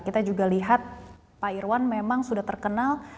kita juga lihat pak irwan memang sudah terkenal